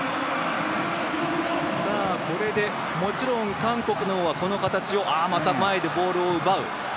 これで韓国の方はこの形をまた前でボールを奪う。